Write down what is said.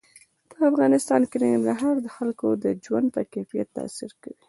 په افغانستان کې ننګرهار د خلکو د ژوند په کیفیت تاثیر کوي.